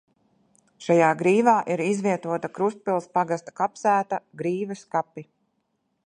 Šajā grīvā ir izvietota Krustpils pagasta kapsēta – Grīvas kapi.